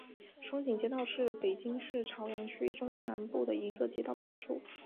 双井街道是北京市朝阳区中南部的一个街道办事处。